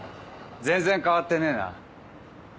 全然変わってねえな。